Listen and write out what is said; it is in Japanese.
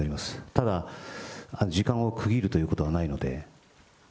ただ、時間を区切るということはないので、